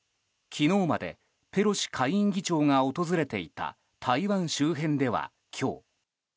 昨日までペロシ下院議長が訪れていた台湾周辺では今日。